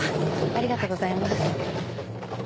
ありがとうございます。